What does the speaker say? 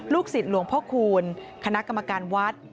สิทธิ์หลวงพ่อคูณคณะกรรมการวัด